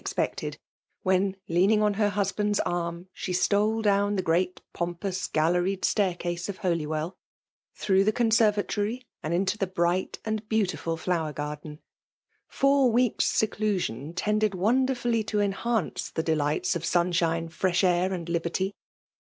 expected, when, leaning on her husband's arm, she stole down the great poinpous galleried staircase of Holywell, — ^through the conserv atory, and into the bright and beautiful flower garden. Four weeks* seclusion tended wonderfully to enhance the delights of sun shine, fresh air, and liberty.